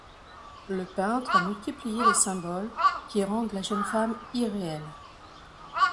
Le peintre a multiplié les symboles qui rendent la jeune femme irréelle.